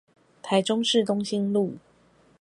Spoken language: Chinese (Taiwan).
台中市東興路